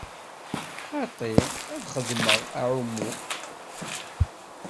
Xaṭi, ad xedmeɣ aɛummu.